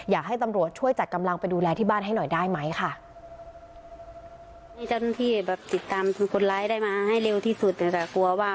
อยากให้ตำรวจช่วยจัดกำลังไปดูแลที่บ้านให้หน่อยได้ไหมค่ะ